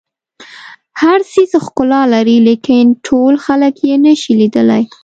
هر څیز ښکلا لري لیکن ټول خلک یې نه شي لیدلی.